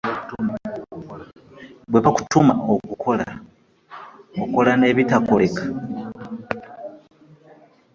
Bwe bakutuma okukola okola n'ebitakoleka?